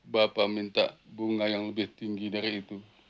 bapak minta bunga yang lebih tinggi dari itu